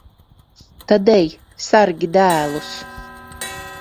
Tad ej, sargi dēlus.